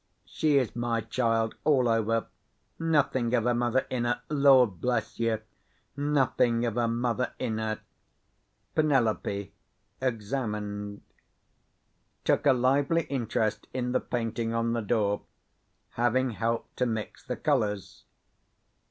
she is my child all over: nothing of her mother in her; Lord bless you, nothing of her mother in her! Penelope examined: Took a lively interest in the painting on the door, having helped to mix the colours.